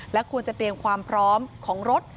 ควรจะเตรียมความพร้อมของรถ